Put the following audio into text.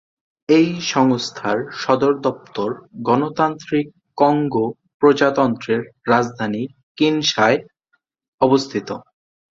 এই সংস্থার সদর দপ্তর গণতান্ত্রিক কঙ্গো প্রজাতন্ত্রের রাজধানী কিনশাসায় অবস্থিত।